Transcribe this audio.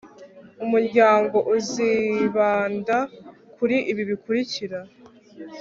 umuryango uzibanda kuri ibi bikurikira